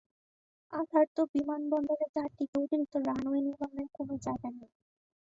Ataturk বিমানবন্দরের চারদিকে অতিরিক্ত রানওয়ে নির্মাণের কোন জায়গা নেই।